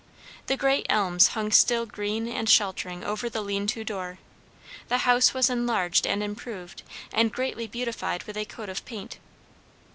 The great elms hung still green and sheltering over the lean to door. The house was enlarged and improved; and greatly beautified with a coat of paint.